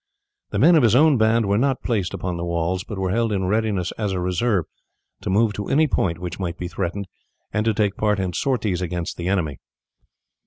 The men of his own band were not placed upon the walls, but were held in readiness as a reserve to move to any point which might be threatened, and to take part in sorties against the enemy.